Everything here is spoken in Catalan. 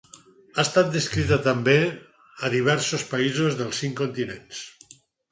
Ha estat descrita també a diversos països dels cinc continents.